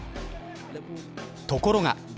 ところが。